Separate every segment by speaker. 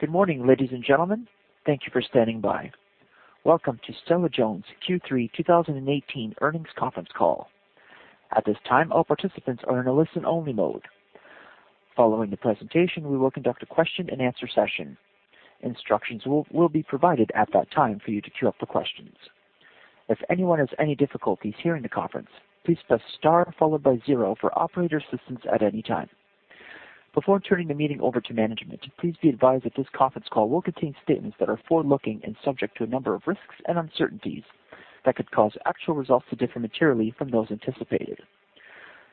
Speaker 1: Good morning, ladies and gentlemen. Thank you for standing by. Welcome to Stella-Jones Q3 2018 earnings conference call. At this time, all participants are in a listen-only mode. Following the presentation, we will conduct a question and answer session. Instructions will be provided at that time for you to queue up for questions. If anyone has any difficulties hearing the conference, please press star followed by zero for operator assistance at any time. Before turning the meeting over to management, please be advised that this conference call will contain statements that are forward-looking and subject to a number of risks and uncertainties that could cause actual results to differ materially from those anticipated.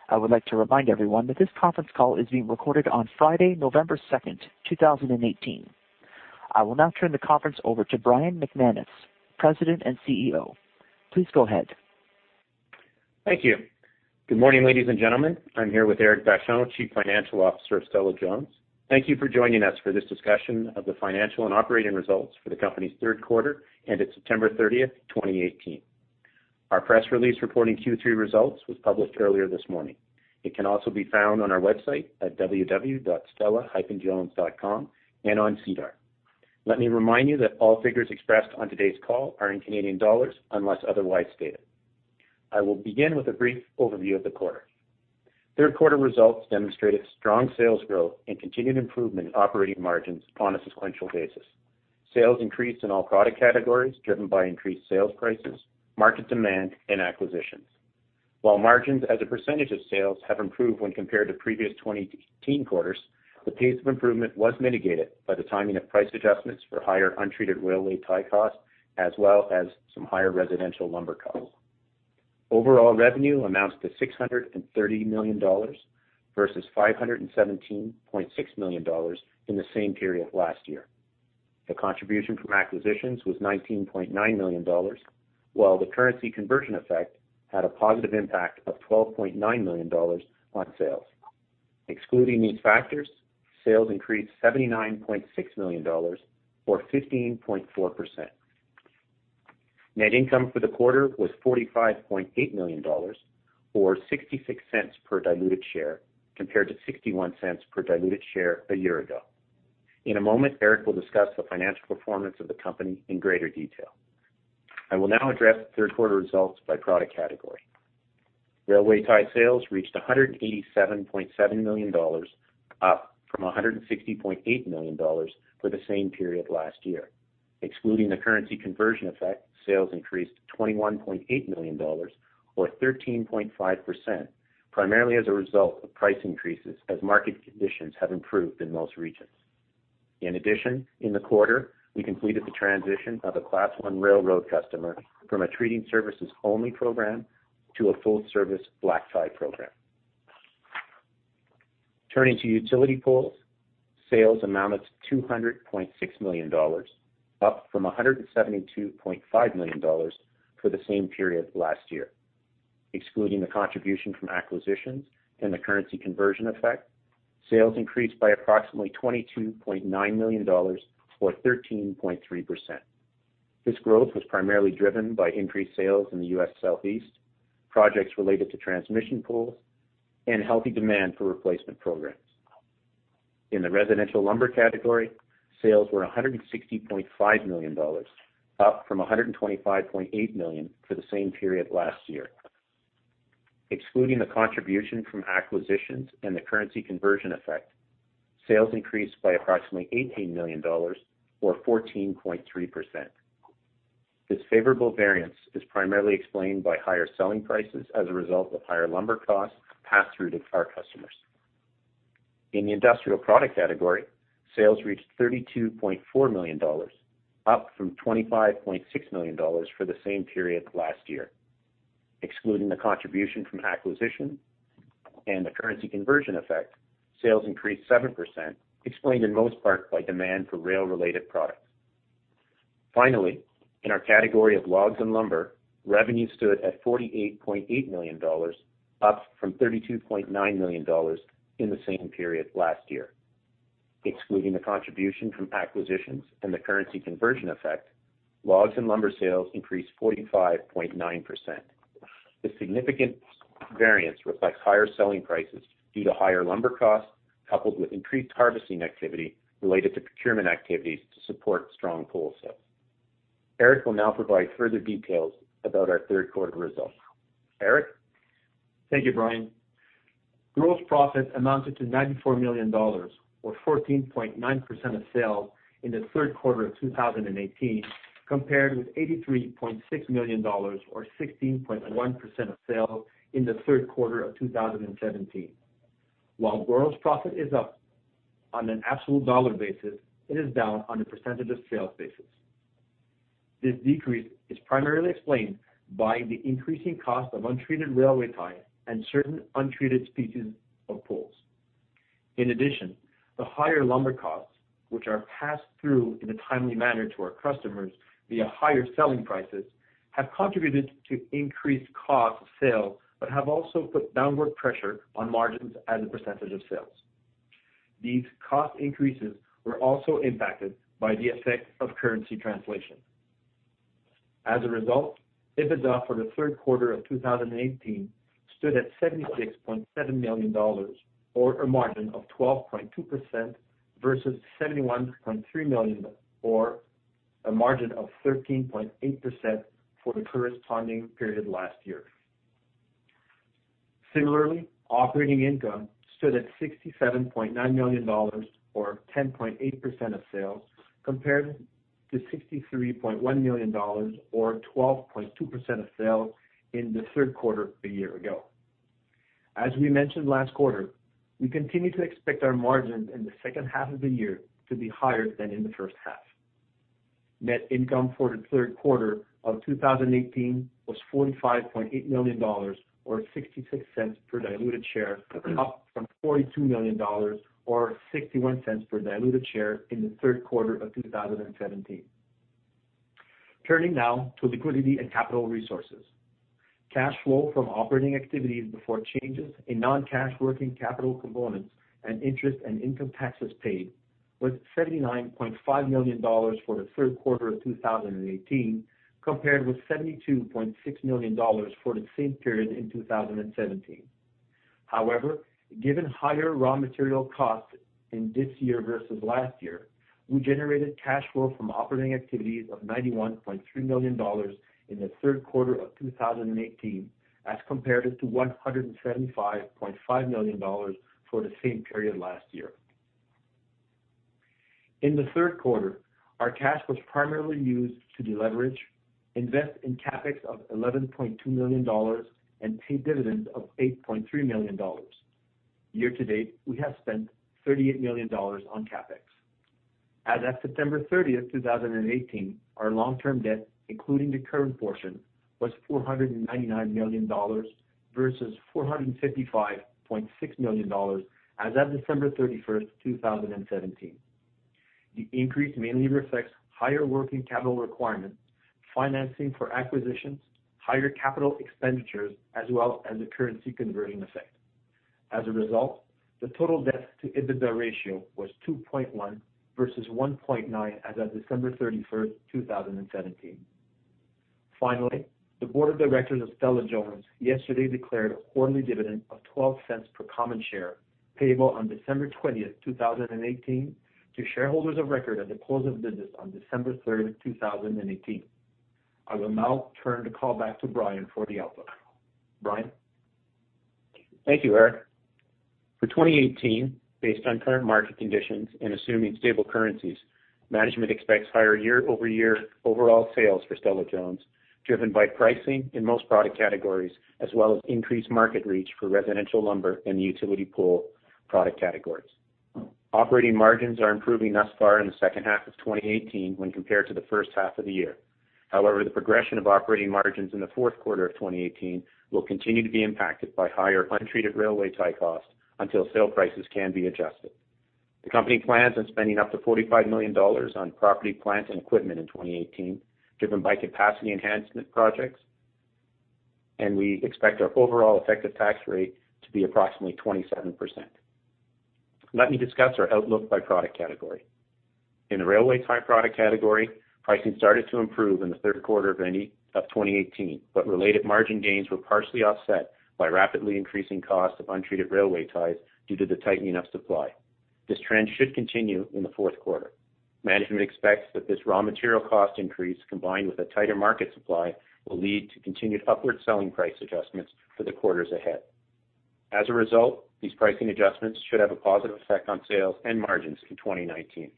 Speaker 1: I would like to remind everyone that this conference call is being recorded on Friday, November 2nd, 2018. I will now turn the conference over to Brian McManus, President and CEO. Please go ahead.
Speaker 2: Thank you. Good morning, ladies and gentlemen. I'm here with Éric Vachon, Chief Financial Officer of Stella-Jones. Thank you for joining us for this discussion of the financial and operating results for the company's third quarter ended September 30th, 2018. Our press release reporting Q3 results was published earlier this morning. It can also be found on our website at www.stella-jones.com and on SEDAR. Let me remind you that all figures expressed on today's call are in Canadian dollars unless otherwise stated. I will begin with a brief overview of the quarter. Third quarter results demonstrated strong sales growth and continued improvement in operating margins on a sequential basis. Sales increased in all product categories, driven by increased sales prices, market demand and acquisitions. While margins as a percentage of sales have improved when compared to previous 2018 quarters, the pace of improvement was mitigated by the timing of price adjustments for higher untreated railway tie costs, as well as some higher residential lumber costs. Overall revenue amounted to 630 million dollars versus 517.6 million dollars in the same period last year. The contribution from acquisitions was 19.9 million dollars, while the currency conversion effect had a positive impact of 12.9 million dollars on sales. Excluding these factors, sales increased 79.6 million dollars or 15.4%. Net income for the quarter was 45.8 million dollars or 0.66 per diluted share, compared to 0.61 per diluted share a year ago. In a moment, Éric will discuss the financial performance of the company in greater detail. I will now address third quarter results by product category. Railway tie sales reached 187.7 million dollars, up from 160.8 million dollars for the same period last year. Excluding the currency conversion effect, sales increased to 21.8 million dollars or 13.5%, primarily as a result of price increases as market conditions have improved in most regions. In addition, in the quarter, we completed the transition of a Class I railroad customer from a treating services only program to a full service black tie program. Turning to utility poles, sales amounted to 200.6 million dollars, up from 172.5 million dollars for the same period last year. Excluding the contribution from acquisitions and the currency conversion effect, sales increased by approximately 22.9 million dollars or 13.3%. This growth was primarily driven by increased sales in the U.S. Southeast, projects related to transmission poles, and healthy demand for replacement programs. In the residential lumber category, sales were 160.5 million dollars, up from 125.8 million for the same period last year. Excluding the contribution from acquisitions and the currency conversion effect, sales increased by approximately 18 million dollars or 14.3%. This favorable variance is primarily explained by higher selling prices as a result of higher lumber costs passed through to our customers. In the industrial product category, sales reached 32.4 million dollars, up from 25.6 million dollars for the same period last year. Excluding the contribution from acquisition and the currency conversion effect, sales increased 7%, explained in most part by demand for rail-related products. Finally, in our category of logs and lumber, revenue stood at 48.8 million dollars, up from 32.9 million dollars in the same period last year. Excluding the contribution from acquisitions and the currency conversion effect, logs and lumber sales increased 45.9%. This significant variance reflects higher selling prices due to higher lumber costs, coupled with increased harvesting activity related to procurement activities to support strong pole sales. Éric will now provide further details about our third quarter results. Éric?
Speaker 3: Thank you, Brian. Gross profit amounted to 94 million dollars, or 14.9% of sales in the third quarter of 2018, compared with 83.6 million dollars, or 16.1% of sales in the third quarter of 2017. While gross profit is up on an absolute dollar basis, it is down on a percentage of sales basis. This decrease is primarily explained by the increasing cost of untreated railway ties and certain untreated species of poles. In addition, the higher lumber costs, which are passed through in a timely manner to our customers via higher selling prices, have contributed to increased cost of sale but have also put downward pressure on margins as a percentage of sales. These cost increases were also impacted by the effect of currency translation. As a result, EBITDA for the third quarter of 2018 stood at 76.7 million dollars, or a margin of 12.2%, versus 71.3 million, or a margin of 13.8% for the corresponding period last year. Similarly, operating income stood at 67.9 million dollars or 10.8% of sales, compared to 63.1 million dollars or 12.2% of sales in the third quarter a year ago. As we mentioned last quarter, we continue to expect our margins in the second half of the year to be higher than in the first half. Net income for the third quarter of 2018 was 45.8 million dollars or 0.66 per diluted share, up from 42 million dollars or 0.61 per diluted share in the third quarter of 2017. Turning now to liquidity and capital resources. Cash flow from operating activities before changes in non-cash working capital components and interest and income taxes paid was 79.5 million dollars for the third quarter of 2018, compared with 72.6 million dollars for the same period in 2017. Given higher raw material costs in this year versus last year, we generated cash flow from operating activities of 91.3 million dollars in the third quarter of 2018 as compared to 175.5 million dollars for the same period last year. In the third quarter, our cash was primarily used to deleverage, invest in CapEx of 11.2 million dollars, and pay dividends of 8.3 million dollars. Year to date, we have spent 38 million dollars on CapEx. As at September 30th, 2018, our long-term debt, including the current portion, was 499 million dollars versus 455.6 million dollars as at December 31st, 2017. The increase mainly reflects higher working capital requirements, financing for acquisitions, higher capital expenditures, as well as the currency converting effect. As a result, the total debt to EBITDA ratio was 2.1 versus 1.9 as at December 31st, 2017. Finally, the board of directors of Stella-Jones yesterday declared a quarterly dividend of 0.12 per common share, payable on December 20th, 2018, to shareholders of record at the close of business on December 3rd, 2018. I will now turn the call back to Brian for the outlook. Brian?
Speaker 2: Thank you, Éric. For 2018, based on current market conditions and assuming stable currencies, management expects higher year-over-year overall sales for Stella-Jones, driven by pricing in most product categories, as well as increased market reach for residential lumber and utility pole product categories. Operating margins are improving thus far in the second half of 2018 when compared to the first half of the year. The progression of operating margins in the fourth quarter of 2018 will continue to be impacted by higher untreated railway tie costs until sale prices can be adjusted. The company plans on spending up to 45 million dollars on property, plant, and equipment in 2018, driven by capacity enhancement projects, and we expect our overall effective tax rate to be approximately 27%. Let me discuss our outlook by product category. In the railway tie product category, pricing started to improve in the third quarter of 2018, but related margin gains were partially offset by rapidly increasing costs of untreated railway ties due to the tightening of supply. This trend should continue in the fourth quarter. Management expects that this raw material cost increase, combined with a tighter market supply, will lead to continued upward selling price adjustments for the quarters ahead. These pricing adjustments should have a positive effect on sales and margins in 2019.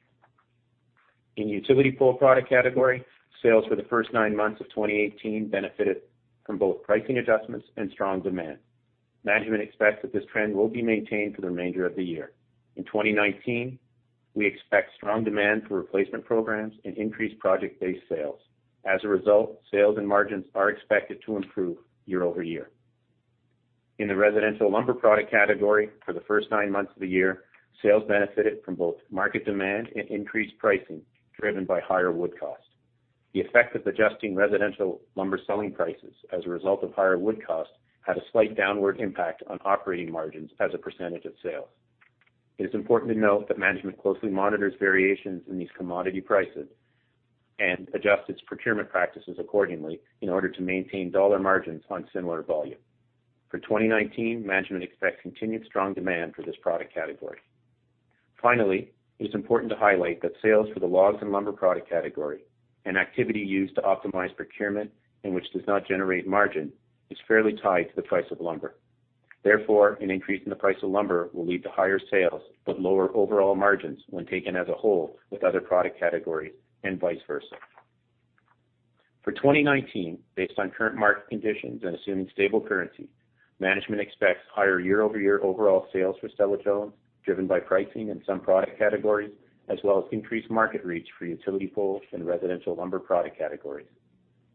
Speaker 2: In the utility pole product category, sales for the first nine months of 2018 benefited from both pricing adjustments and strong demand. Management expects that this trend will be maintained for the remainder of the year. In 2019, we expect strong demand for replacement programs and increased project-based sales. Sales and margins are expected to improve year-over-year. In the residential lumber product category for the first nine months of the year, sales benefited from both market demand and increased pricing, driven by higher wood costs. The effect of adjusting residential lumber selling prices as a result of higher wood costs had a slight downward impact on operating margins as a percentage of sales. It is important to note that management closely monitors variations in these commodity prices and adjusts its procurement practices accordingly in order to maintain dollar margins on similar volume. For 2019, management expects continued strong demand for this product category. Finally, it is important to highlight that sales for the logs and lumber product category, an activity used to optimize procurement and which does not generate margin, is fairly tied to the price of lumber. An increase in the price of lumber will lead to higher sales but lower overall margins when taken as a whole with other product categories, and vice versa. For 2019, based on current market conditions and assuming stable currency, management expects higher year-over-year overall sales for Stella-Jones, driven by pricing in some product categories, as well as increased market reach for utility poles and residential lumber product categories.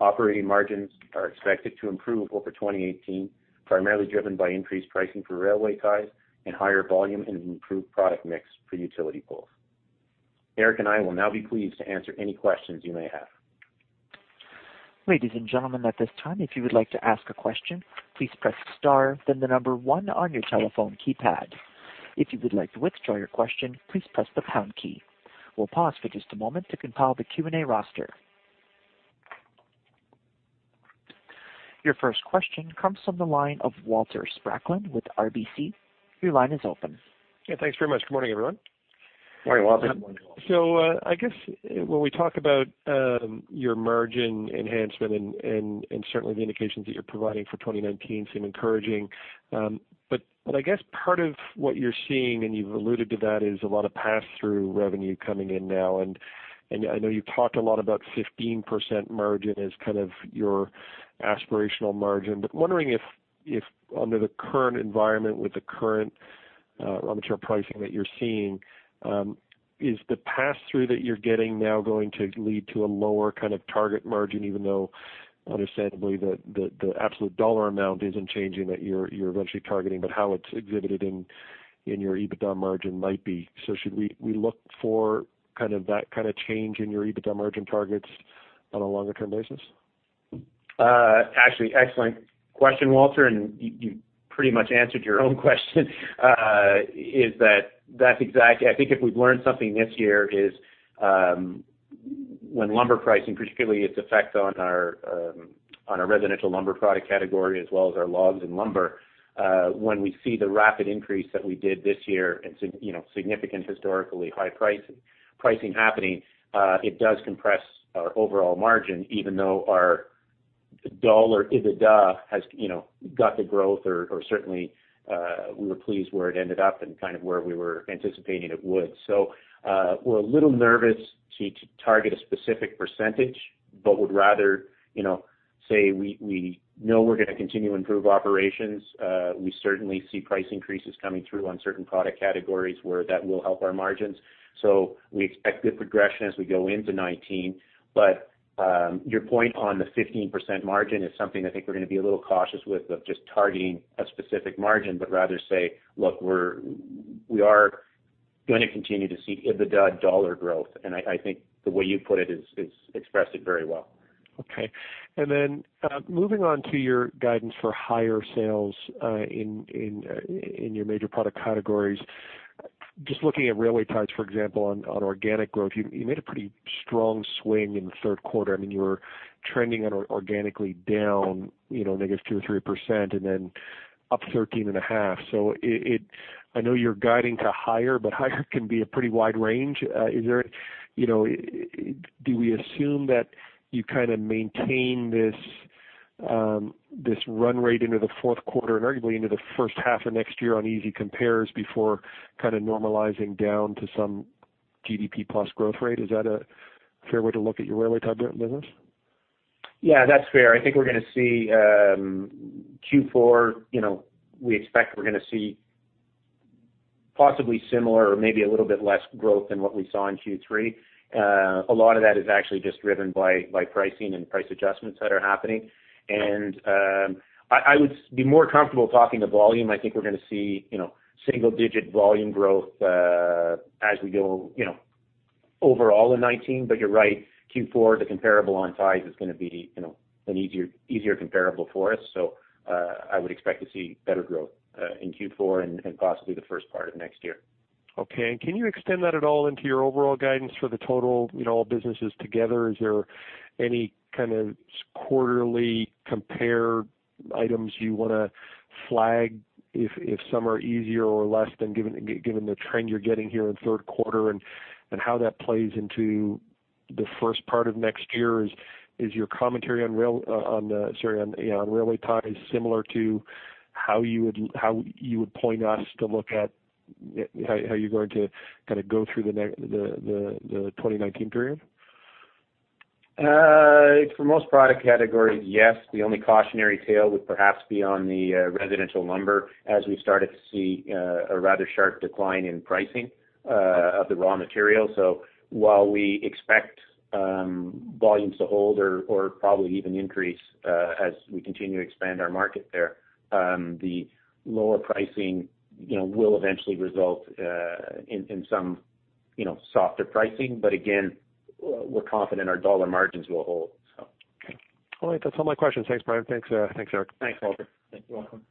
Speaker 2: Operating margins are expected to improve over 2018, primarily driven by increased pricing for railway ties and higher volume and improved product mix for utility poles. Éric and I will now be pleased to answer any questions you may have.
Speaker 1: Ladies and gentlemen, at this time, if you would like to ask a question, please press star, then the number 1 on your telephone keypad. If you would like to withdraw your question, please press the pound key. We'll pause for just a moment to compile the Q&A roster. Your first question comes from the line of Walter Spracklin with RBC. Your line is open.
Speaker 4: Yeah, thanks very much. Good morning, everyone.
Speaker 2: Morning, Walter.
Speaker 4: I guess when we talk about your margin enhancement and certainly the indications that you're providing for 2019 seem encouraging. I guess part of what you're seeing, and you've alluded to that, is a lot of pass-through revenue coming in now. I know you've talked a lot about 15% margin as kind of your aspirational margin, but wondering if under the current environment with the current raw material pricing that you're seeing, is the pass-through that you're getting now going to lead to a lower kind of target margin, even though understandably the absolute dollar amount isn't changing that you're eventually targeting, but how it's exhibited in your EBITDA margin might be. Should we look for that kind of change in your EBITDA margin targets on a longer term basis?
Speaker 2: Actually, excellent question, Walter, and you pretty much answered your own question. I think if we've learned something this year, is when lumber pricing, particularly its effect on our residential lumber product category, as well as our logs and lumber, when we see the rapid increase that we did this year and significant historically high pricing happening, it does compress our overall margin, even though our dollar EBITDA has got the growth or certainly we were pleased where it ended up and kind of where we were anticipating it would. We're a little nervous to target a specific percentage, but would rather say we know we're going to continue to improve operations. We certainly see price increases coming through on certain product categories where that will help our margins. We expect good progression as we go into 2019. Your point on the 15% margin is something I think we're going to be a little cautious with, of just targeting a specific margin, but rather say, look, we are going to continue to see EBITDA dollar growth, and I think the way you put it expressed it very well.
Speaker 4: Moving on to your guidance for higher sales in your major product categories. Just looking at railway ties, for example, on organic growth, you made a pretty strong swing in the third quarter. I mean, you were trending organically down, negative 2% or 3%, and then up 13.5%. I know you're guiding to higher, but higher can be a pretty wide range. Do we assume that you kind of maintain this run rate into the fourth quarter and arguably into the first half of next year on easy compares before kind of normalizing down to some GDP plus growth rate? Is that a fair way to look at your railway tie business?
Speaker 2: That's fair. I think we're going to see Q4, we expect we're going to see possibly similar or maybe a little bit less growth than what we saw in Q3. A lot of that is actually just driven by pricing and price adjustments that are happening. I would be more comfortable talking the volume. I think we're going to see single-digit volume growth as we go overall in 2019. You're right, Q4, the comparable on ties is going to be an easier comparable for us. I would expect to see better growth in Q4 and possibly the first part of next year.
Speaker 4: Can you extend that at all into your overall guidance for the total all businesses together? Is there any kind of quarterly compare items you want to flag if some are easier or less than given the trend you're getting here in the third quarter and how that plays into the first part of next year? Is your commentary on railway ties similar to how you would point us to look at how you're going to kind of go through the 2019 period?
Speaker 2: For most product categories, yes. The only cautionary tale would perhaps be on the residential lumber as we've started to see a rather sharp decline in pricing of the raw material. While we expect volumes to hold or probably even increase as we continue to expand our market there, the lower pricing will eventually result in some softer pricing. Again, we're confident our dollar margins will hold, so.
Speaker 4: All right. That's all my questions. Thanks, Brian. Thanks, Éric.
Speaker 2: Thanks, Walter.
Speaker 1: You're welcome.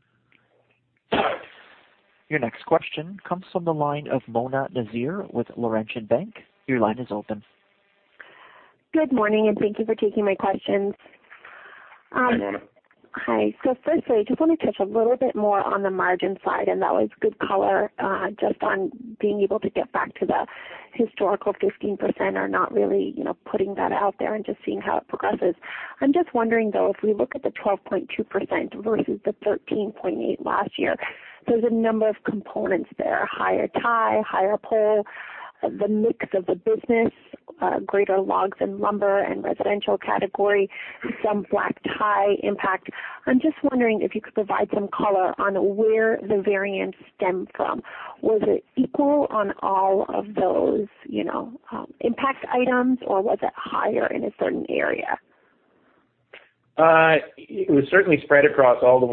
Speaker 1: Your next question comes from the line of Mona Nazir with Laurentian Bank. Your line is open.
Speaker 5: Good morning, thank you for taking my questions.
Speaker 2: Hi, Mona.
Speaker 5: Hi. Firstly, I just want to touch a little bit more on the margin side, and that was good color, just on being able to get back to the historical 15% or not really putting that out there and just seeing how it progresses. I'm just wondering, though, if we look at the 12.2% versus the 13.8% last year, there's a number of components there, higher tie, higher pole, the mix of the business, greater logs and lumber and residential category, some white tie impact. I'm just wondering if you could provide some color on where the variance stemmed from. Was it equal on all of those impact items, or was it higher in a certain area?
Speaker 2: It was certainly spread across all the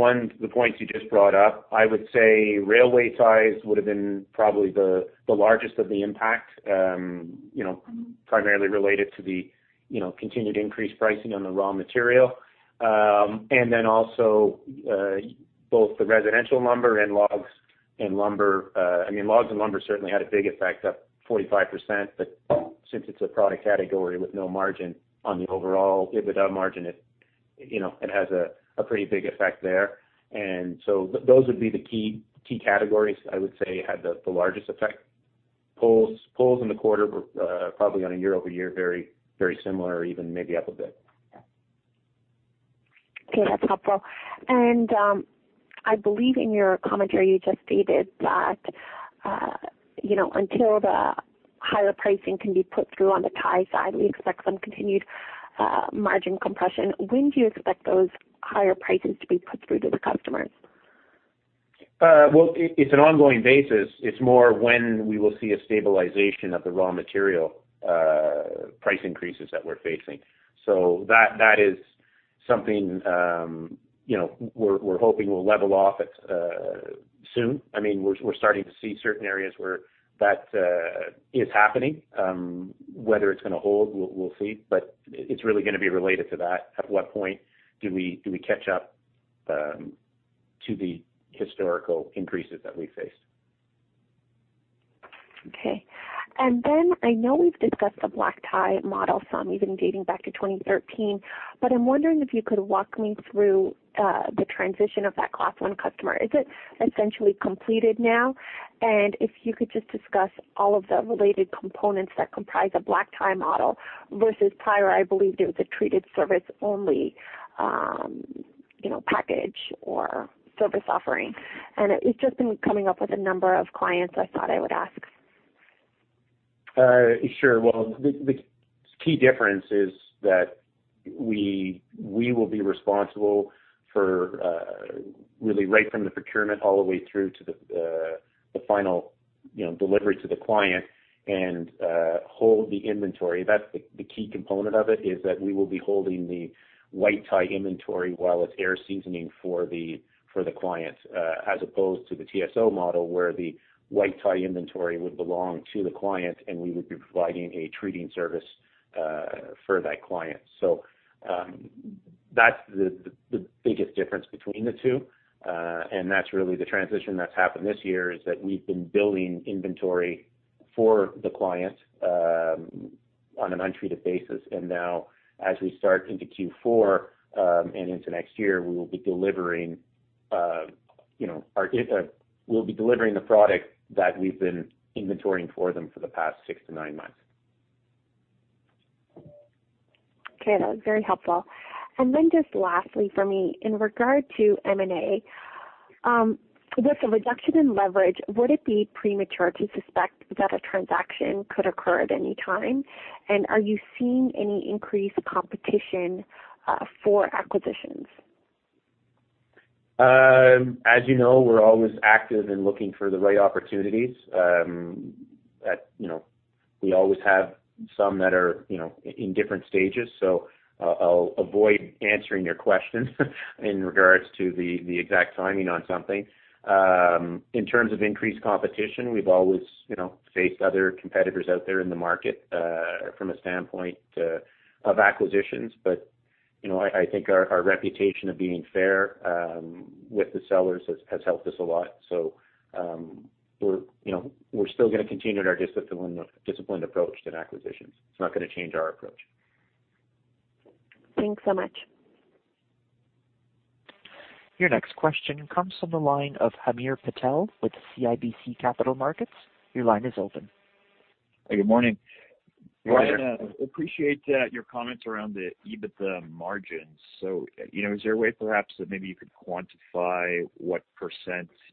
Speaker 2: points you just brought up. I would say railway ties would've been probably the largest of the impact, primarily related to the continued increased pricing on the raw material. Also, both the residential lumber and logs and lumber. I mean, logs and lumber certainly had a big effect, up 45%, but since it's a product category with no margin on the overall EBITDA margin, it has a pretty big effect there. Those would be the key categories I would say had the largest effect. Poles in the quarter were probably on a year-over-year, very similar or even maybe up a bit.
Speaker 5: Okay, that's helpful. I believe in your commentary, you just stated that until the higher pricing can be put through on the tie side, we expect some continued margin compression. When do you expect those higher prices to be put through to the customers?
Speaker 2: Well, it's an ongoing basis. It's more when we will see a stabilization of the raw material price increases that we're facing. That is something we're hoping will level off soon. I mean, we're starting to see certain areas where that is happening. Whether it's going to hold, we'll see, but it's really going to be related to that, at what point do we catch up to the historical increases that we faced.
Speaker 5: Okay. I know we've discussed the black tie model some, even dating back to 2013, but I'm wondering if you could walk me through the transition of that Class I customer. Is it essentially completed now? If you could just discuss all of the related components that comprise a black tie model versus prior, I believe there was a treated service only package or service offering. It's just been coming up with a number of clients, I thought I would ask.
Speaker 2: Sure. Well, the key difference is that we will be responsible for really right from the procurement all the way through to the final delivery to the client and hold the inventory. That's the key component of it, is that we will be holding the white tie inventory while it's air seasoning for the client, as opposed to the TSO model, where the white tie inventory would belong to the client, and we would be providing a treating service for that client. That's the biggest difference between the two. That's really the transition that's happened this year, is that we've been building inventory for the client on an untreated basis. Now as we start into Q4, and into next year, we'll be delivering the product that we've been inventorying for them for the past six to nine months.
Speaker 5: Lastly for me, in regard to M&A, with the reduction in leverage, would it be premature to suspect that a transaction could occur at any time? Are you seeing any increased competition for acquisitions?
Speaker 2: As you know, we're always active in looking for the right opportunities. We always have some that are in different stages, I'll avoid answering your question in regards to the exact timing on something. In terms of increased competition, we've always faced other competitors out there in the market from a standpoint of acquisitions, I think our reputation of being fair with the sellers has helped us a lot. We're still going to continue in our disciplined approach to acquisitions. It's not going to change our approach.
Speaker 5: Thanks so much.
Speaker 1: Your next question comes from the line of Hamir Patel with CIBC Capital Markets. Your line is open.
Speaker 6: Good morning.
Speaker 2: Good morning.
Speaker 6: Brian, appreciate your comments around the EBITDA margins. Is there a way perhaps that maybe you could quantify what %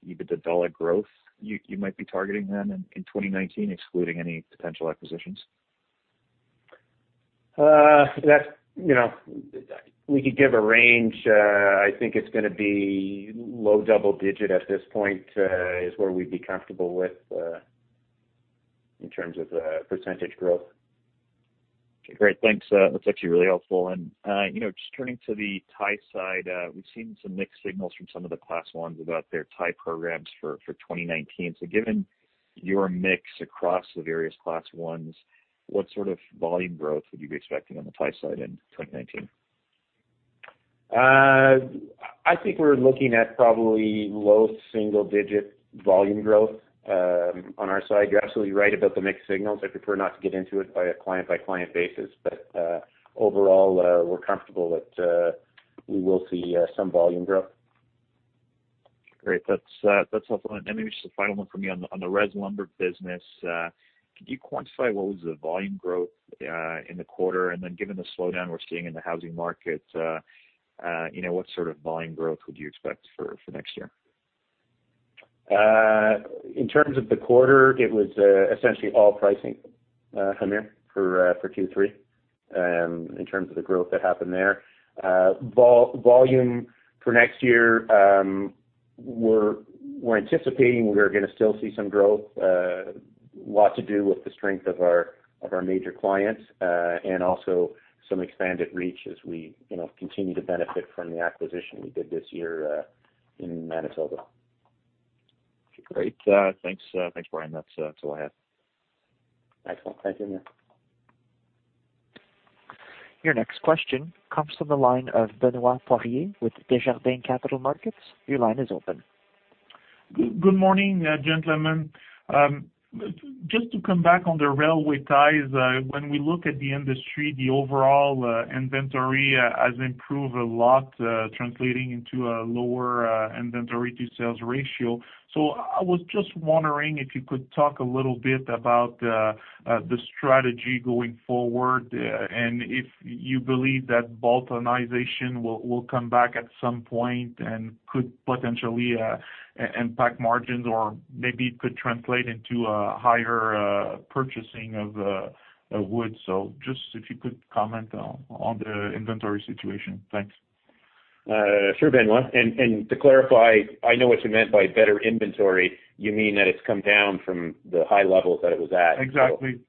Speaker 6: EBITDA dollar growth you might be targeting then in 2019, excluding any potential acquisitions?
Speaker 2: We could give a range. I think it's going to be low double digit at this point is where we'd be comfortable with in terms of % growth.
Speaker 6: Okay, great. Thanks. That's actually really helpful. Just turning to the tie side, we've seen some mixed signals from some of the Class I about their tie programs for 2019. Given your mix across the various Class I, what sort of volume growth would you be expecting on the tie side in 2019?
Speaker 2: I think we're looking at probably low single digit volume growth on our side. You're absolutely right about the mixed signals. I prefer not to get into it by a client by client basis. Overall, we're comfortable that we will see some volume growth.
Speaker 6: Great. That's helpful. Maybe just the final one for me on the res lumber business. Could you quantify what was the volume growth in the quarter, given the slowdown we're seeing in the housing market, what sort of volume growth would you expect for next year?
Speaker 2: In terms of the quarter, it was essentially all pricing, Hamir, for Q3 in terms of the growth that happened there. Volume for next year, we're anticipating we're going to still see some growth. A lot to do with the strength of our major clients, also some expanded reach as we continue to benefit from the acquisition we did this year in Manitoba.
Speaker 6: Great. Thanks Brian. That's all I have.
Speaker 2: Excellent. Thank you.
Speaker 1: Your next question comes from the line of Benoit Poirier with Desjardins Capital Markets. Your line is open.
Speaker 7: Good morning, gentlemen. Just to come back on the railway ties, when we look at the industry, the overall inventory has improved a lot, translating into a lower inventory to sales ratio. I was just wondering if you could talk a little bit about the strategy going forward, and if you believe that boultonizing will come back at some point and could potentially impact margins, or maybe it could translate into a higher purchasing of wood. Just if you could comment on the inventory situation. Thanks.
Speaker 2: Sure, Benoit. To clarify, I know what you meant by better inventory. You mean that it's come down from the high levels that it was at.
Speaker 7: Exactly.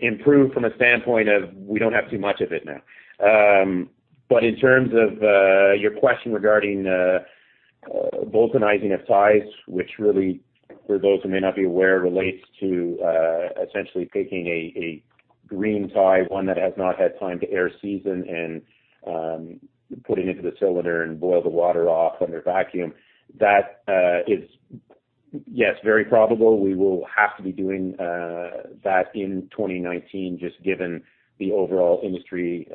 Speaker 2: Improved from a standpoint of we don't have too much of it now. In terms of your question regarding boultonizing of ties, which really, for those who may not be aware, relates to essentially taking a green tie, one that has not had time to air season, and putting it into the cylinder and boil the water off under vacuum. That is, yes, very probable. We will have to be doing that in 2019, just given the overall industry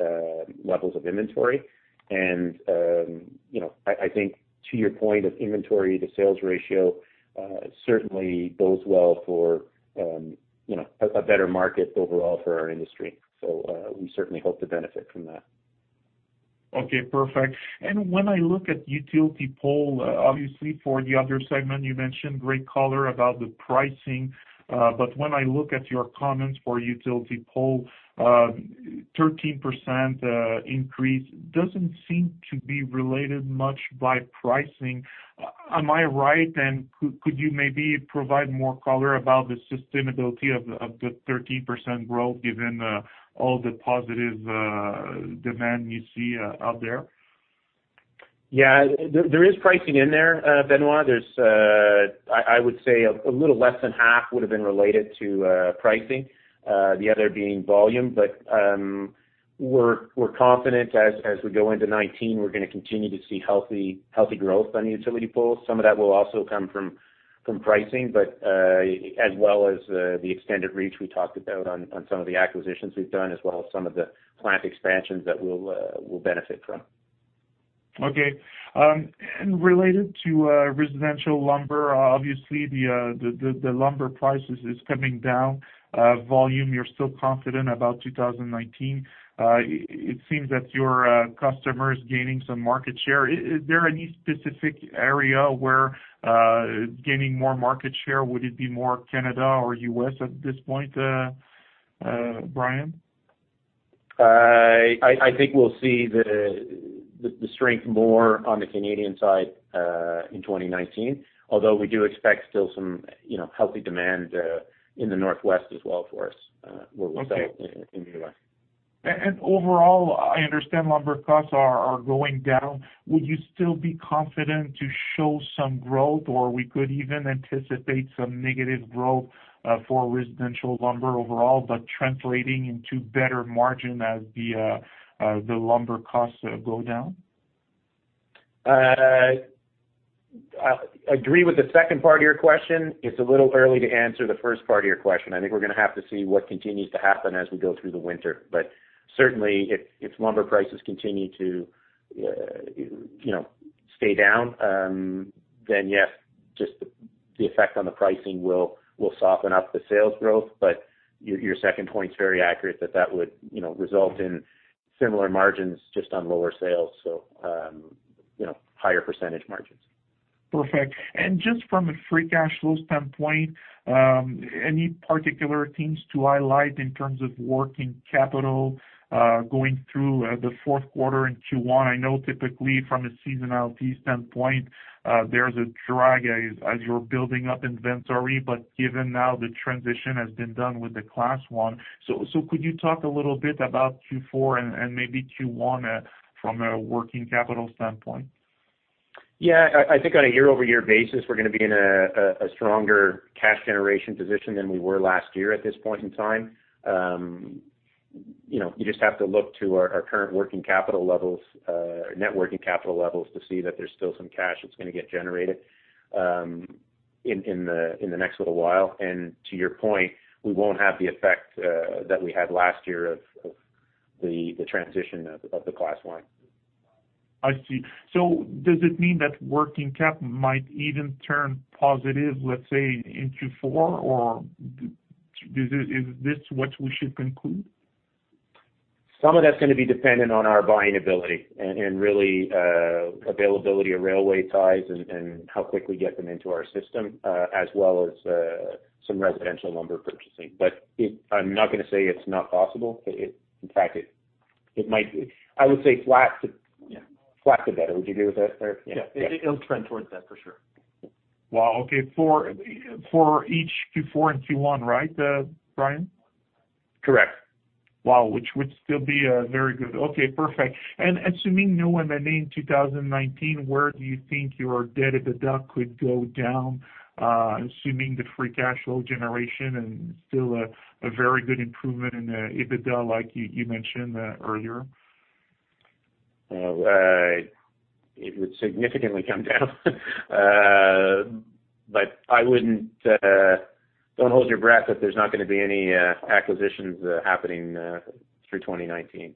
Speaker 2: levels of inventory. I think to your point of inventory to sales ratio, certainly bodes well for a better market overall for our industry. We certainly hope to benefit from that.
Speaker 7: Okay, perfect. When I look at utility pole, obviously for the other segment, you mentioned great color about the pricing. When I look at your comments for utility pole, 13% increase doesn't seem to be related much by pricing. Am I right, and could you maybe provide more color about the sustainability of the 13% growth given all the positive demand you see out there?
Speaker 2: Yeah, there is pricing in there, Benoit. I would say a little less than half would have been related to pricing, the other being volume. We're confident as we go into 2019, we're going to continue to see healthy growth on utility poles. Some of that will also come from pricing, as well as the extended reach we talked about on some of the acquisitions we've done, as well as some of the plant expansions that we'll benefit from.
Speaker 7: Okay. Related to residential lumber, obviously the lumber prices is coming down. Volume, you're still confident about 2019. It seems that your customer is gaining some market share. Is there any specific area where gaining more market share, would it be more Canada or U.S. at this point, Brian?
Speaker 2: I think we'll see the strength more on the Canadian side in 2019, although we do expect still some healthy demand in the Northwest as well for us, where we'll sell in the U.S.
Speaker 7: Overall, I understand lumber costs are going down. Would you still be confident to show some growth, or we could even anticipate some negative growth for residential lumber overall, but translating into better margin as the lumber costs go down?
Speaker 2: I agree with the second part of your question. It's a little early to answer the first part of your question. I think we're gonna have to see what continues to happen as we go through the winter. Certainly if lumber prices continue to stay down, then yes, just the effect on the pricing will soften up the sales growth. Your second point's very accurate that would result in similar margins just on lower sales, so higher percentage margins.
Speaker 7: Perfect. Just from a free cash flows standpoint, any particular things to highlight in terms of working capital going through the fourth quarter in Q1? I know typically from a seasonality standpoint, there's a drag as you're building up inventory, but given now the transition has been done with the Class I. Could you talk a little bit about Q4 and maybe Q1 from a working capital standpoint?
Speaker 2: Yeah, I think on a year-over-year basis, we're gonna be in a stronger cash generation position than we were last year at this point in time. You just have to look to our current working capital levels, net working capital levels, to see that there's still some cash that's gonna get generated in the next little while. To your point, we won't have the effect that we had last year of the transition of the Class I.
Speaker 7: I see. Does it mean that working cap might even turn positive, let's say, in Q4, or is this what we should conclude?
Speaker 2: Some of that's gonna be dependent on our buying ability and really availability of railway ties and how quickly get them into our system, as well as some residential lumber purchasing. I'm not gonna say it's not possible. In fact, it might be. I would say flat to better. Would you agree with that, Éric?
Speaker 3: Yeah. It'll trend towards that for sure.
Speaker 7: Wow, okay. For each Q4 and Q1, right, Brian?
Speaker 2: Correct.
Speaker 7: Wow. Which would still be very good. Okay, perfect. Assuming no M&A in 2019, where do you think your debt EBITDA could go down, assuming the free cash flow generation and still a very good improvement in EBITDA like you mentioned earlier?
Speaker 2: It would significantly come down. Don't hold your breath, that there's not going to be any acquisitions happening through 2019.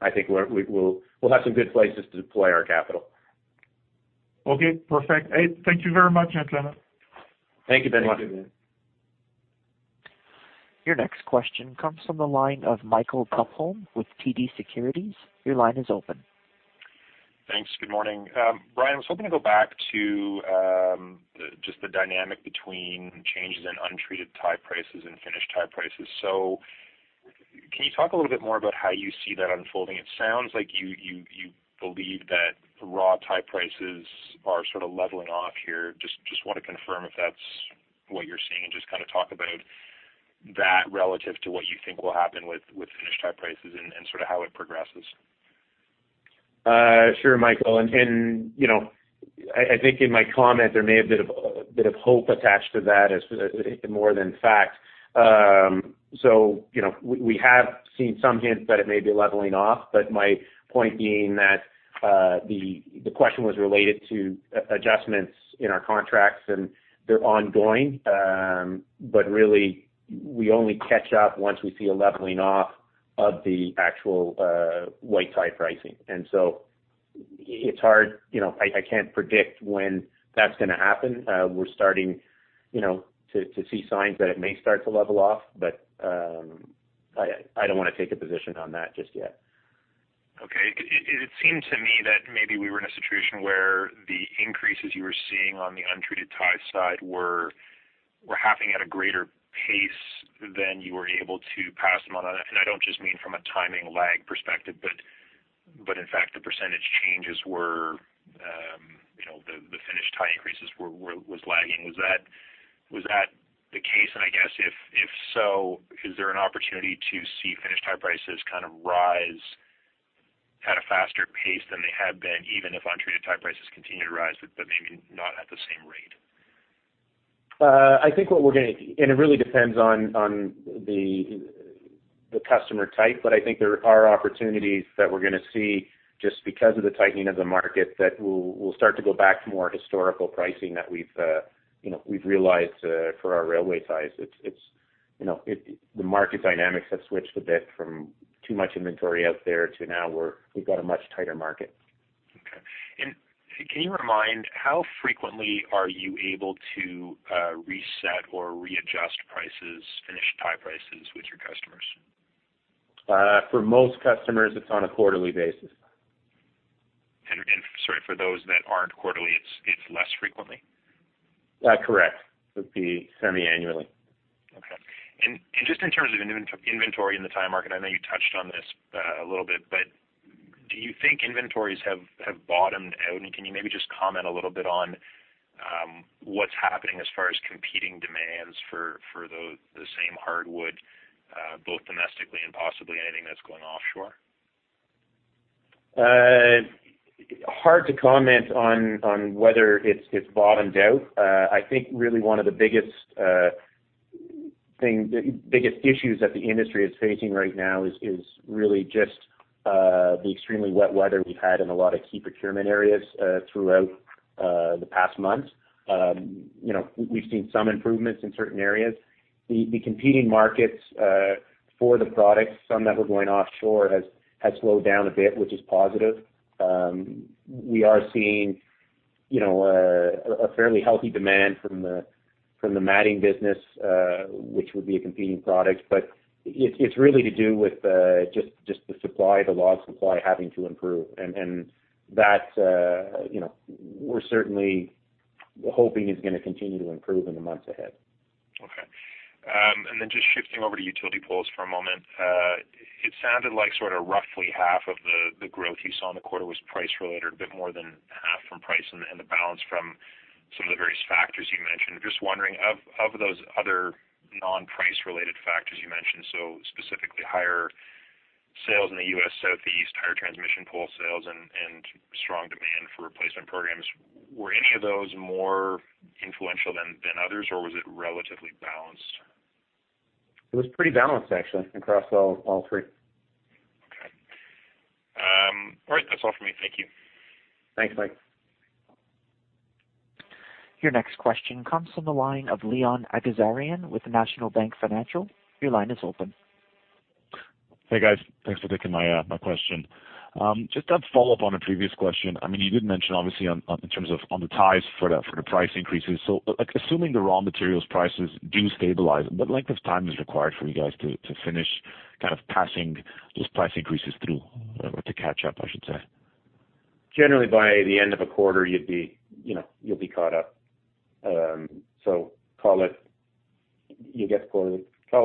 Speaker 2: I think we'll have some good places to deploy our capital.
Speaker 7: Okay, perfect. Thank you very much.
Speaker 2: Thank you very much.
Speaker 7: Thank you.
Speaker 1: Your next question comes from the line of Michael Tupholme with TD Securities. Your line is open.
Speaker 8: Thanks. Good morning. Brian, I was hoping to go back to just the dynamic between changes in untreated tie prices and finished tie prices. Can you talk a little bit more about how you see that unfolding? It sounds like you believe that raw tie prices are sort of leveling off here. I just want to confirm if that's what you're seeing, and just kind of talk about that relative to what you think will happen with finished tie prices and sort of how it progresses.
Speaker 2: Sure, Michael. I think in my comment there may have been a bit of hope attached to that more than fact. We have seen some hints that it may be leveling off, but my point being that the question was related to adjustments in our contracts and they're ongoing. Really, we only catch up once we see a leveling off of the actual white tie pricing. It's hard, I can't predict when that's going to happen. We're starting to see signs that it may start to level off, but I don't want to take a position on that just yet.
Speaker 8: Okay. It seemed to me that maybe we were in a situation where the increases you were seeing on the untreated tie side were happening at a greater pace than you were able to pass them on. I don't just mean from a timing lag perspective, but in fact, the percentage changes were the finished tie increases were lagging. Was that the case? I guess if so, is there an opportunity to see finished tie prices kind of rise at a faster pace than they have been, even if untreated tie prices continue to rise, but maybe not at the same rate?
Speaker 2: It really depends on the customer type, but I think there are opportunities that we're going to see just because of the tightening of the market, that we'll start to go back to more historical pricing that we've realized for our railway ties. The market dynamics have switched a bit from too much inventory out there to now where we've got a much tighter market.
Speaker 8: Okay. Can you remind, how frequently are you able to reset or readjust finished tie prices with your customers?
Speaker 2: For most customers, it is on a quarterly basis.
Speaker 8: Sorry, for those that are not quarterly, it is less frequently?
Speaker 2: Correct. It would be semi-annually.
Speaker 8: Okay. Just in terms of inventory in the tie market, I know you touched on this a little bit, but do you think inventories have bottomed out? Can you maybe just comment a little bit on what's happening as far as competing demands for the same hardwood, both domestically and possibly anything that's going offshore?
Speaker 2: Hard to comment on whether it's bottomed out. I think really one of the biggest issues that the industry is facing right now is really just the extremely wet weather we've had in a lot of key procurement areas throughout the past month. We've seen some improvements in certain areas. The competing markets, for the products, some that were going offshore has slowed down a bit, which is positive. We are seeing a fairly healthy demand from the matting business, which would be a competing product, but it's really to do with just the supply, the log supply having to improve. That we're certainly hoping is going to continue to improve in the months ahead.
Speaker 8: Okay. Just shifting over to utility poles for a moment. It sounded like sort of roughly half of the growth you saw in the quarter was price related, a bit more than half from price and the balance from some of the various factors you mentioned. Just wondering, of those other non-price related factors you mentioned, so specifically higher sales in the U.S. Southeast, higher transmission pole sales, and strong demand for replacement programs, were any of those more influential than others or was it relatively balanced?
Speaker 2: It was pretty balanced, actually, across all three.
Speaker 8: Okay. All right. That's all for me. Thank you.
Speaker 2: Thanks, Mike.
Speaker 1: Your next question comes from the line of Leon Aghazarian with National Bank Financial. Your line is open.
Speaker 9: Hey, guys. Thanks for taking my question. Just a follow-up on a previous question. You did mention obviously in terms of on the ties for the price increases. Assuming the raw materials prices do stabilize, what length of time is required for you guys to finish kind of passing those price increases through or to catch up, I should say?
Speaker 2: Generally, by the end of a quarter, you'll be caught up. Call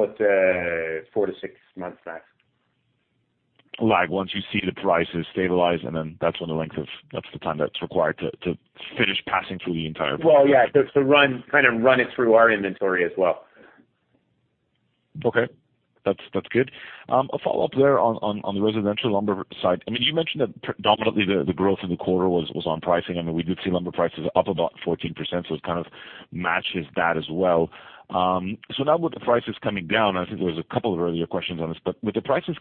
Speaker 2: it four to six months max.
Speaker 9: Like once you see the prices stabilize, and then that's the time that's required to finish passing through the entire-
Speaker 2: Well, yeah, to kind of run it through our inventory as well.
Speaker 9: Okay. That's good. A follow-up there on the residential lumber side. You mentioned that predominantly the growth in the quarter was on pricing. We did see lumber prices up about 14%, it kind of matches that as well. Now with the prices coming down, and I think there was a couple of earlier questions on this, with the prices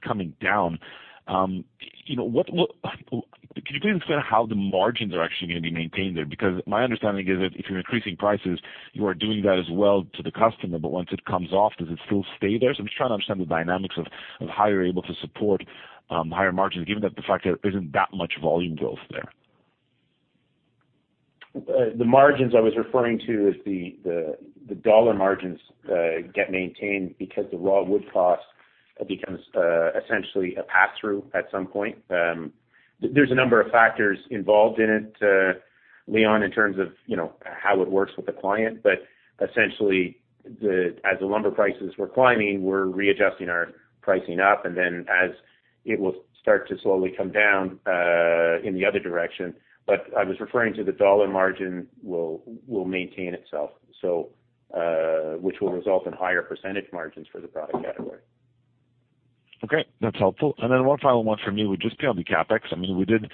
Speaker 9: coming down, Can you please explain how the margins are actually going to be maintained there? My understanding is that if you're increasing prices, you are doing that as well to the customer. Once it comes off, does it still stay there? I'm just trying to understand the dynamics of how you're able to support higher margins, given that the fact there isn't that much volume growth there.
Speaker 2: The margins I was referring to is the dollar margins get maintained because the raw wood cost becomes essentially a pass-through at some point. There's a number of factors involved in it, Leon, in terms of how it works with the client. Essentially, as the lumber prices were climbing, we're readjusting our pricing up, and then as it will start to slowly come down in the other direction. I was referring to the dollar margin will maintain itself, which will result in higher percentage margins for the product category.
Speaker 9: Okay, that's helpful. One final one from me would just be on the CapEx. In the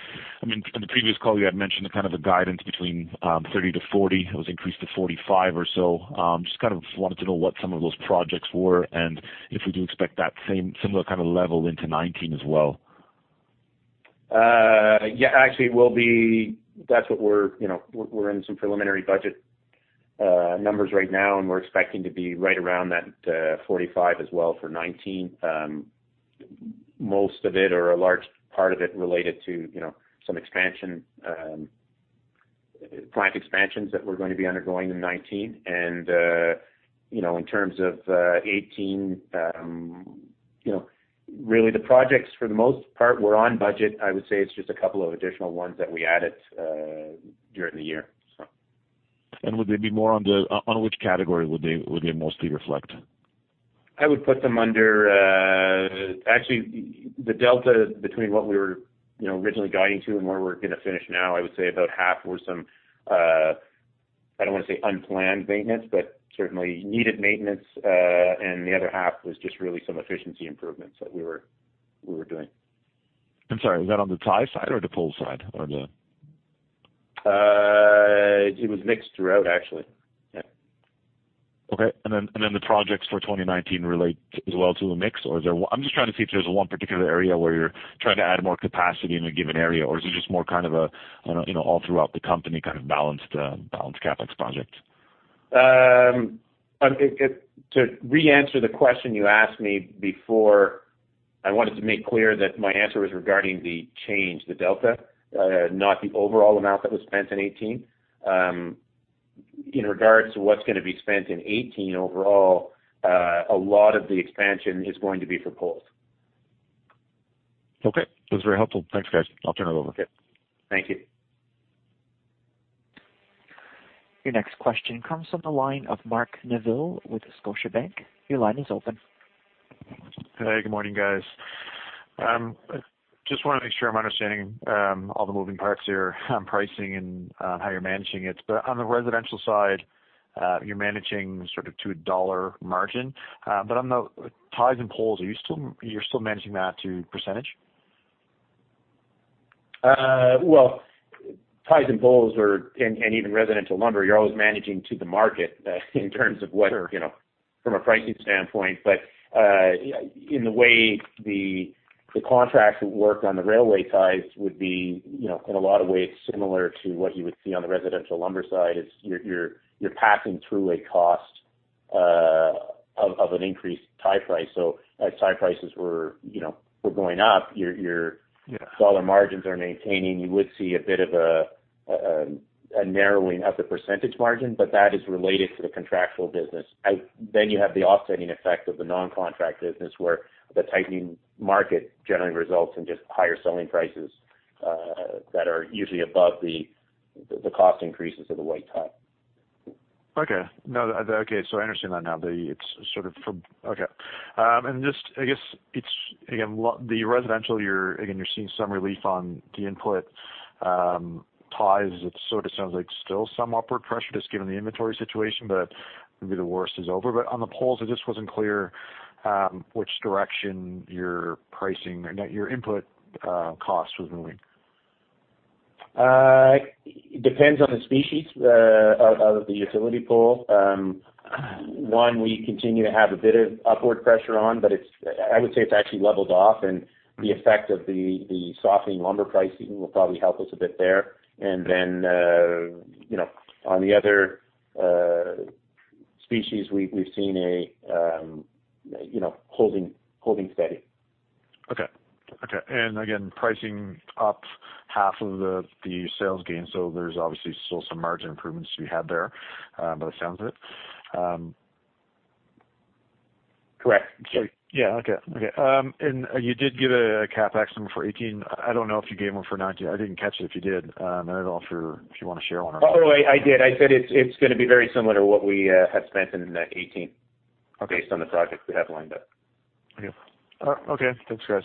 Speaker 9: previous call, you had mentioned kind of a guidance between 30 to 40. It was increased to 45 or so. Just kind of wanted to know what some of those projects were and if we can expect that similar kind of level into 2019 as well.
Speaker 2: Yeah, actually, we're in some preliminary budget numbers right now, and we're expecting to be right around that 45 as well for 2019. Most of it or a large part of it related to some plant expansions that we're going to be undergoing in 2019. In terms of 2018, really the projects for the most part were on budget. I would say it's just a couple of additional ones that we added during the year.
Speaker 9: Would they be more on which category would they mostly reflect?
Speaker 2: Actually, the delta between what we were originally guiding to and where we're going to finish now, I would say about half were some, I don't want to say unplanned maintenance, but certainly needed maintenance. The other half was just really some efficiency improvements that we were doing.
Speaker 9: I'm sorry, was that on the tie side or the pole side or the
Speaker 2: It was mixed throughout, actually. Yeah.
Speaker 9: Okay. The projects for 2019 relate as well to the mix? I'm just trying to see if there's one particular area where you're trying to add more capacity in a given area, or is it just more kind of a all throughout the company kind of balanced CapEx project?
Speaker 2: To re-answer the question you asked me before, I wanted to make clear that my answer was regarding the change, the delta, not the overall amount that was spent in 2018. In regards to what's going to be spent in 2018 overall, a lot of the expansion is going to be for poles.
Speaker 9: Okay. That's very helpful. Thanks, guys. I'll turn it over.
Speaker 2: Okay. Thank you.
Speaker 1: Your next question comes from the line of Mark Neville with Scotiabank. Your line is open.
Speaker 10: Hey, good morning, guys. Just want to make sure I'm understanding all the moving parts here on pricing and how you're managing it. On the residential side, you're managing sort of to a dollar margin. On the ties and poles, you're still managing that to percentage?
Speaker 2: Well, ties and poles and even residential lumber, you're always managing to the market in terms of what-
Speaker 10: Sure
Speaker 2: from a pricing standpoint. In the way the contracts work on the railway ties would be in a lot of ways similar to what you would see on the residential lumber side is you're passing through a cost of an increased tie price. As tie prices were going up, your-
Speaker 10: Yeah
Speaker 2: dollar margins are maintaining. You would see a bit of a narrowing of the percentage margin, but that is related to the contractual business. You have the offsetting effect of the non-contract business, where the tightening market generally results in just higher selling prices that are usually above the cost increases of the white tie.
Speaker 10: I understand that now. Okay. The Residential, again, you're seeing some relief on the input railway ties. It sort of sounds like still some upward pressure just given the inventory situation, but maybe the worst is over. On the utility poles, I just wasn't clear which direction your pricing or your input cost was moving.
Speaker 2: It depends on the species of the utility pole. One, we continue to have a bit of upward pressure on, but I would say it's actually leveled off, and the effect of the softening lumber pricing will probably help us a bit there. On the other species, we've seen a holding steady.
Speaker 10: Okay. Pricing up half of the sales gain, there's obviously still some margin improvements to be had there by the sounds of it.
Speaker 2: Correct.
Speaker 10: Yeah. Okay. You did give a CapEx number for 2018. I don't know if you gave one for 2019. I didn't catch it if you did. I don't know if you want to share one or not.
Speaker 2: Oh, I did. I said it's going to be very similar to what we had spent in 2018-
Speaker 10: Okay
Speaker 2: based on the projects we have lined up.
Speaker 10: Okay. Thanks, guys.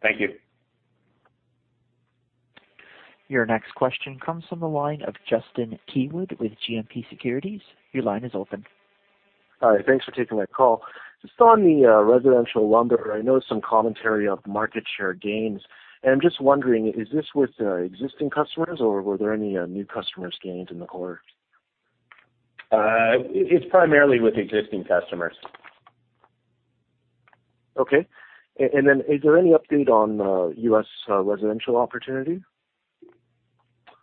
Speaker 2: Thank you.
Speaker 1: Your next question comes from the line of Justin Keywood with GMP Securities. Your line is open.
Speaker 11: Hi. Thanks for taking my call. Just on the residential lumber, I know some commentary of market share gains. I'm just wondering, is this with existing customers, or were there any new customers gained in the quarter?
Speaker 2: It's primarily with existing customers.
Speaker 11: Okay. Then is there any update on U.S. residential opportunity?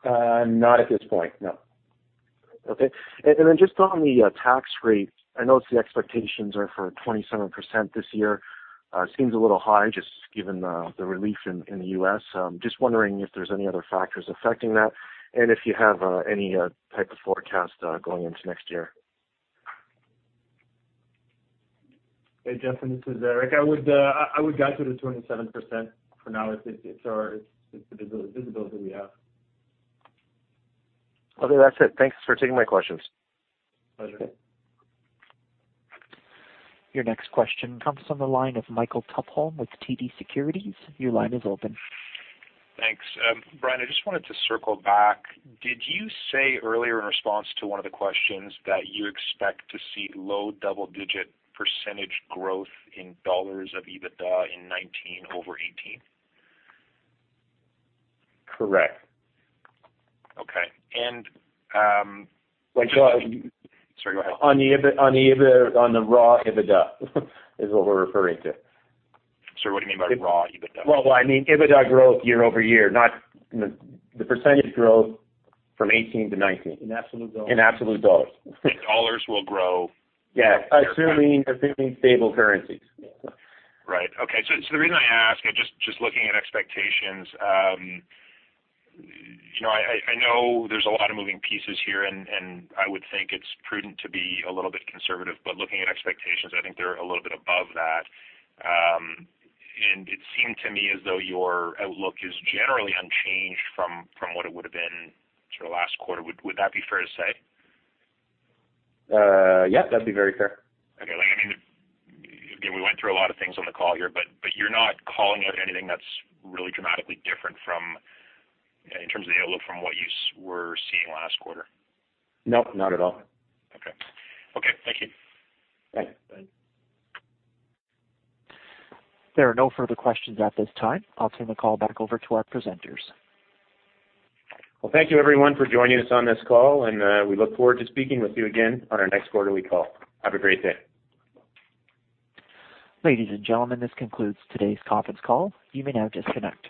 Speaker 2: Not at this point, no.
Speaker 11: Okay. Just on the tax rate, I know the expectations are for 27% this year. Seems a little high just given the relief in the U.S. I'm just wondering if there's any other factors affecting that and if you have any type of forecast going into next year.
Speaker 3: Hey, Justin, this is Éric. I would guide to the 27% for now. It's the visibility we have.
Speaker 11: Okay. That's it. Thanks for taking my questions.
Speaker 2: Pleasure.
Speaker 1: Your next question comes from the line of Michael Tupholme with TD Securities. Your line is open.
Speaker 8: Thanks. Brian, I just wanted to circle back. Did you say earlier in response to one of the questions that you expect to see low double-digit % growth in CAD of EBITDA in 2019 over 2018?
Speaker 2: Correct.
Speaker 8: Okay.
Speaker 2: Sorry, go ahead. On the raw EBITDA is what we're referring to.
Speaker 8: Sorry, what do you mean by raw EBITDA?
Speaker 2: Well, I mean EBITDA growth year-over-year, the percentage growth from 2018 to 2019.
Speaker 3: In absolute dollars. In absolute dollars.
Speaker 8: In CAD will grow-
Speaker 2: Yeah. Assuming stable currencies.
Speaker 8: Right. Okay. The reason I ask, just looking at expectations, I know there's a lot of moving pieces here, and I would think it's prudent to be a little bit conservative, but looking at expectations, I think they're a little bit above that. It seemed to me as though your outlook is generally unchanged from what it would've been sort of last quarter. Would that be fair to say?
Speaker 2: Yeah, that'd be very fair.
Speaker 8: Okay. I mean, again, we went through a lot of things on the call here. You're not calling out anything that's really dramatically different in terms of the outlook from what you were seeing last quarter.
Speaker 2: No, not at all.
Speaker 8: Okay. Thank you.
Speaker 2: Bye.
Speaker 1: There are no further questions at this time. I'll turn the call back over to our presenters.
Speaker 2: Well, thank you everyone for joining us on this call, and we look forward to speaking with you again on our next quarterly call. Have a great day.
Speaker 1: Ladies and gentlemen, this concludes today's conference call. You may now disconnect.